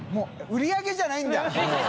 發売り上げじゃないんだ？